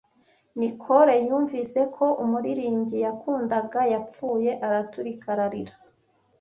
Nicole yumvise ko umuririmbyi yakundaga yapfuye, araturika ararira.